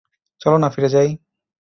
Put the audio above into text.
চল না ফিরে যাই।